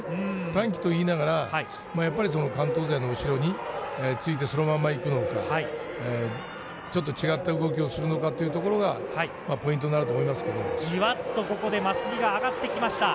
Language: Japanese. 短期と言いながら、やっぱり関東勢の後ろについてそのまま行くのか、ちょっと違った動きをするのかというところが、ポイントになるとじわっとここで眞杉が上がってきました。